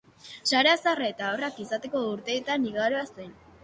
Sara zaharra eta haurrak izateko urteetan igaroa zen.